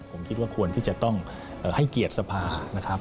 ผมคิดว่าควรที่จะต้องให้เกียรติสภานะครับ